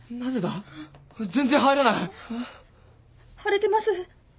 腫れてます。